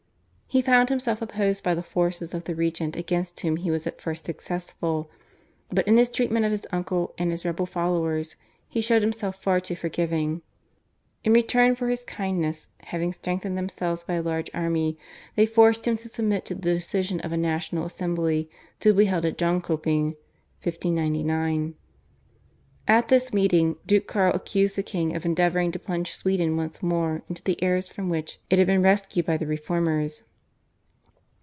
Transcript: He found himself opposed by the forces of the regent against whom he was at first successful, but in his treatment of his uncle and his rebel followers he showed himself far too forgiving. In return for his kindness, having strengthened themselves by a large army they forced him to submit to the decision of a national Assembly to be held at Jonkoping (1599). At this meeting Duke Karl accused the king of endeavouring to plunge Sweden once more into the errors from which it had been rescued by the reformers.